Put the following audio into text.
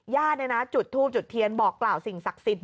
ญาติจุดทูบจุดเทียนบอกกล่าวสิ่งศักดิ์สิทธิ